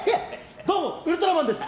どうも、ウルトラマンです。